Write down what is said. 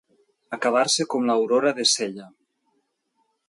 Acabar-se com l'aurora de Sella.